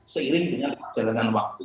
seiring dengan jalanan waktu